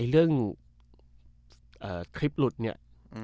เรื่องคลิปหลุดเนี่ย